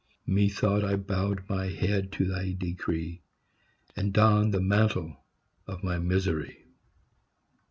Methought I bowed my head to thy decree, And donned the mantle of my misery.